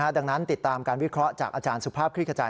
ดังนั้นติดตามการวิเคราะห์จากอาจารย์สุภาพคลิกกระจาย